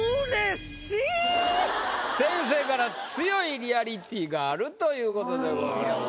先生から「強いリアリティーがある！」ということでございます。